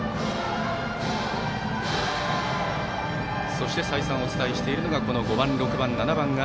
そして、再三お伝えしているのがこの５番、６番、７番が